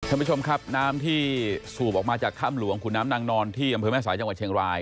ท่านผู้ชมครับน้ำที่สูบออกมาจากถ้ำหลวงขุนน้ำนางนอนที่อำเภอแม่สายจังหวัดเชียงราย